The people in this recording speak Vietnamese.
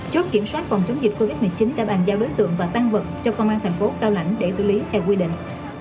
chốt kiểm soát phòng chống dịch covid một mươi chín đã bàn giao đối tượng và tăng vật cho công an thành phố cao lãnh để xử lý theo quy định